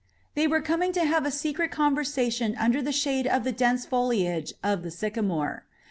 They were coming to have a secret conversation under the shade of the dense foliage of the sycamore.